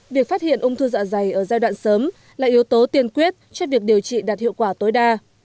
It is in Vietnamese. việc phát hiện ung thư dạ dày ở giai đoạn sớm là yếu tố tiên quyết cho việc điều trị đạt hiệu quả tối đa